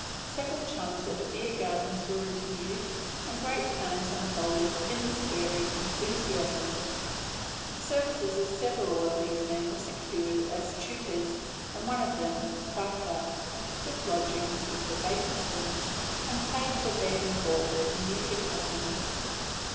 Several chums at the beer gardens were interviewed and great plans unfolded in beery enthusiasm. The services of several of these men were secured as tutors, and one of them, Pfeiffer, took lodgings with the Biethofens, and paid for bed and board in music lessons.